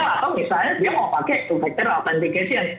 atau misalnya dia mau pakai ufactor authentication